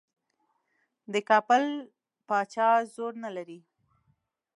د کابل پاچا زور نه لري.